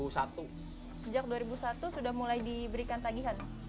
sejak dua ribu satu sudah mulai diberikan tagihan